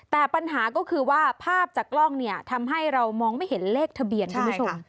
แต่ปัญหาก็คือว่าภาพจากกล้องเนี่ยทำให้เรามองไม่เห็นเลขทะเบียนคุณผู้ชม